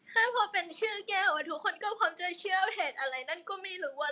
แค่พอเป็นชื่อแกวอะทุกคนก็พร้อมจะเชื่อเหตุอะไรนั่นก็มีหรือว่า